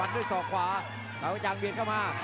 ฝันด้วยส่อขวาขวาหาจังเบียดเข้ามา